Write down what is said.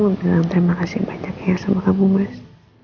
saya bilang terima kasih banyak ya sama kamu mas